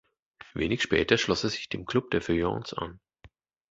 Wenig später schloss er sich dem Klub der Feuillants an.